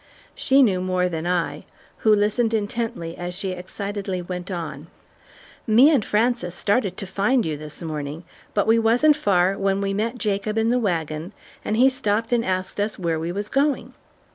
She knew more than I, who listened intently as she excitedly went on: "Me and Frances started to find you this morning, but we wasn't far when we met Jacob in the wagon, and he stopped and asked us where we was going.